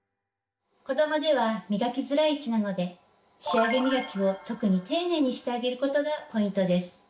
子どもでは磨きづらい位置なので仕上げ磨きを特に丁寧にしてあげることがポイントです。